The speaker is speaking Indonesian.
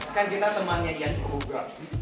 kan kita temannya ian